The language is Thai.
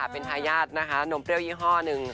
เป็นคไทยาทนมเปรี้ยวยี่ห้อนึง